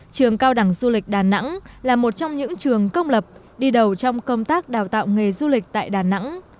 trường cao đẳng du lịch đà nẵng là một trong những trường công lập đi đầu trong công tác đào tạo nghề du lịch tại đà nẵng